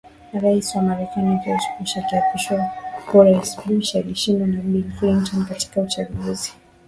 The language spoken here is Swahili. Rais wa Marekani George Bush akiapishwa uraisBush alishindwa na Bill Clinton katika uchaguzi